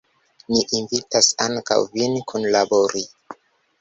Ni invitas ankaŭ vin kunlabori!